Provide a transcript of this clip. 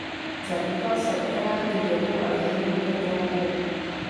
Zabýval se literární vědou a dějinami literatury.